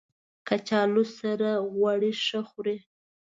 کچالو سره غوړي ښه خوري